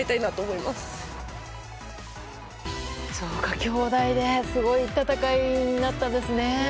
兄妹ですごい戦いになったんですね。